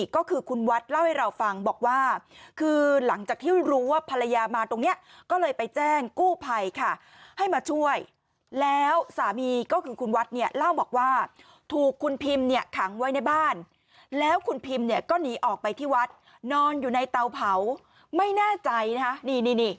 ก็คือคุณวัดเล่าให้เราฟังบอกว่าคือหลังจากที่รู้ว่าภรรยามาตรงนี้ก็เลยไปแจ้งกู้ภัยค่ะให้มาช่วยแล้วสามีก็คือคุณวัดเนี่ยเล่าบอกว่าถูกคุณพิมเนี่ยขังไว้ในบ้านแล้วคุณพิมเนี่ยก็หนีออกไปที่วัดนอนอยู่ในเตาเผาไม่แน่ใจนะคะนี่นี่